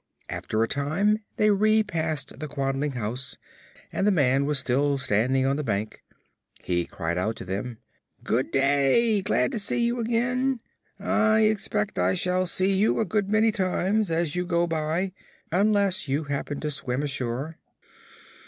After a time they repassed the Quadling house and the man was still standing on the bank. He cried out to them: "Good day! Glad to see you again. I expect I shall see you a good many times, as you go by, unless you happen to swim ashore."